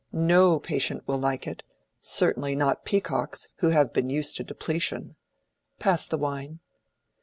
No patient will like it—certainly not Peacock's, who have been used to depletion. Pass the wine."